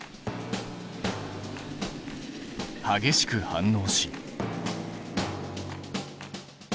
激しく反応し。